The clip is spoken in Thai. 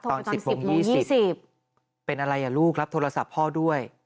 ตอน๑๐โมง๒๐เป็นอะไรลูกรับโทรศัพท์พ่อด้วย